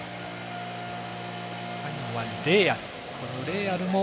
最後はレーアル。